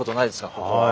ここは。